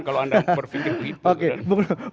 kalau anda berpikir begitu